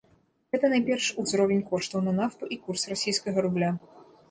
Гэта найперш узровень коштаў на нафту і курс расійскага рубля.